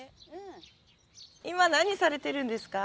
今何されてるんですか？